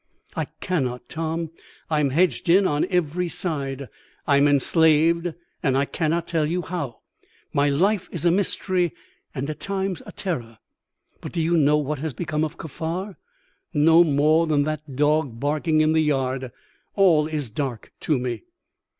"I cannot, Tom. I am hedged in on every side. I'm enslaved, and I cannot tell you how. My life is a mystery, and at times a terror." "But do you know what has become of Kaffar?" "No more than that dog barking in the yard. All is dark to me."